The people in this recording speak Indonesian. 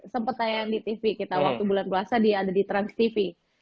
sempat tayang di tv kita waktu bulan puasa dia ada di transtv